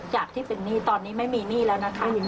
จากที่เป็นหนี้ตอนนี้ไม่มีหนี้แล้วนะคะ